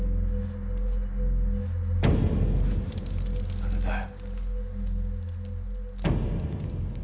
・誰だよ。